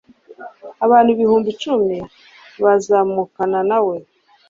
abantu ibihumbi cumi bazamukana na we